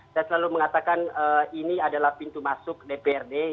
saya selalu mengatakan ini adalah pintu masuk dpr dki